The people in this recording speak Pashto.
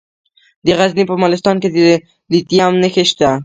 د غزني په مالستان کې د لیتیم نښې شته.